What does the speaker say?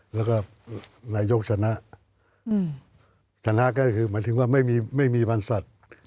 แล้วก็นายกชนะชนะก็คือหมายถึงว่าไม่มีบรรษัตริย์